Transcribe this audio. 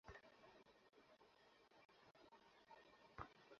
মহেশখালী থানার পুলিশ জানায়, মুঠোফোন ট্রাক করে অপহরণকারীদের অবস্থান নিশ্চিত করা হয়।